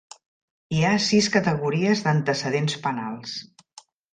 Hi ha sis categories d'antecedents penals.